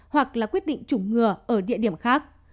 hoặc là quyết định chủng ngừa ở địa điểm khác